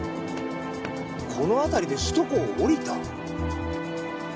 この辺りで首都高を降りた？